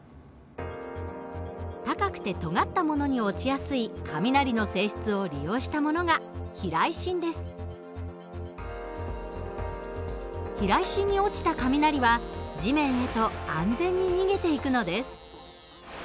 高くてとがったものに落ちやすい雷の性質を利用したものが避雷針に落ちた雷は地面へと安全に逃げていくのです。